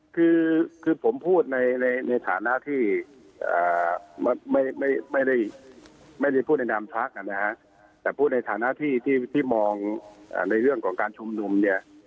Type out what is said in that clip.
คือผมพูดในฐานะที่ไม่ได้พูดในนามพักนะฮะแต่พูดในฐานะที่มองในเรื่องของการชุมนุมเนี่ย